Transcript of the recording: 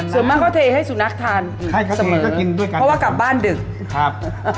เมื่อมาเมื่อกั้นให้สูบนักทานกลับกลับบ้านด้าย